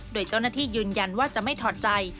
โดยเจ้าหน้าที่ยืนยันว่าจะไม่ถอดใจ